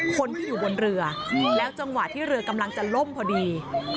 คนที่อยู่บนเรือแล้วจังหวะที่เรือกำลังจะล่มพอดี